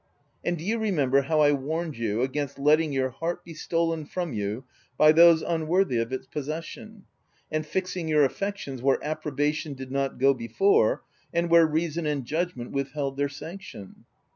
" And do you remember how I warned you against letting your heart be stolen from you by those unworthy of its possession ; and OF WILDFELL HALL, 309 fixing your affections where approbation did not go before, and where reason and judgment withheld their sanction